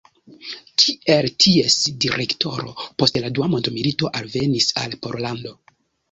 Kiel ties direktoro post la dua mondmilito alvenis al Pollando.